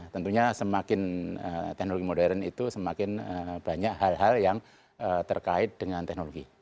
tentunya semakin teknologi modern itu semakin banyak hal hal yang terkait dengan teknologi